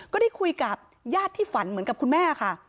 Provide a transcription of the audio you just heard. ก็ได้คุยกับญาติที่ฝันเหมือนกับคุณแม่ค่ะ